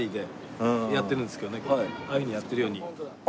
ああいうふうにやってるように。